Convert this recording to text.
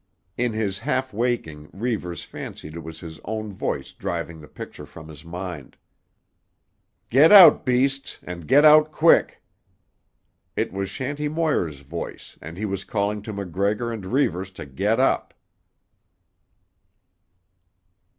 In his half waking Reivers fancied it was his own voice driving the picture from his mind. "Get out, beasts, and get out quick!" It was Shanty Moir's voice and he was calling to MacGregor and Reivers to get up.